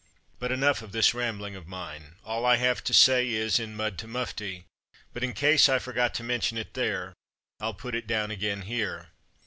'^ But enough of this rambling of mine; all I have to say is in Mud to Mufti; but in case I forgot to mention it there, FU put it down again here.